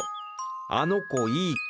あの子いい子。